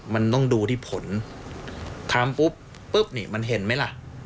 มันต้องดูที่ผลทำปุ๊บปุ๊บนี่มันเห็นไหมล่ะ